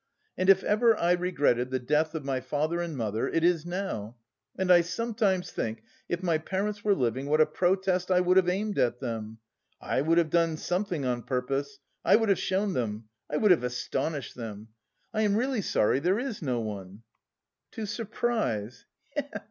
And if ever I regretted the death of my father and mother, it is now, and I sometimes think if my parents were living what a protest I would have aimed at them! I would have done something on purpose... I would have shown them! I would have astonished them! I am really sorry there is no one!" "To surprise! He he!